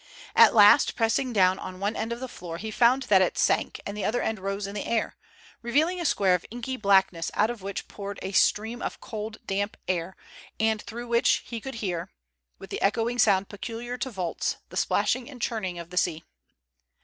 At last, pressing down on one end of the floor, he found that it sank and the other end rose in the air, revealing a square of inky blackness out of which poured a stream of cold, damp air, and through which he could hear, with the echoing sound peculiar to vaults, the splashing and churning of the sea.